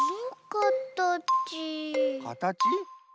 かたち？